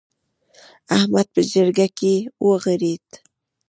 احمد په جرګه کې وغورېد.